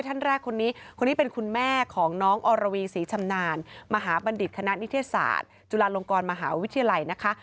ท่านแรกคนนี้คนนี้เป็นคุณแม่ของน้องอรวีศรีชำนาญมหาบัณฑิตคณะนิเทศศาสตร์จุฬาลงกรมหาวิทยาลัยนะคะ